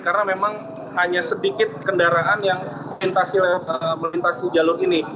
karena memang hanya sedikit kendaraan yang melintasi jalur ini